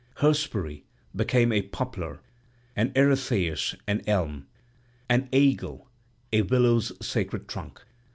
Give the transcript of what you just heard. Hespere became a poplar and Eretheis an elm, and Aegle a willow's sacred trunk.